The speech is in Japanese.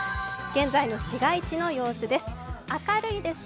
現在の市街地の様子です。